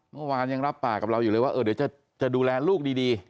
เมื่อวานยังรับปากกับเราอยู่เลยว่าเดี๋ยวจะดูแลลูกดี